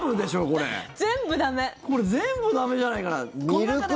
これ全部駄目じゃないかな。